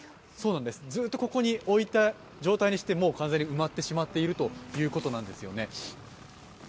ずっとここに置いた状態にして完全にとまってしまっているということなんです。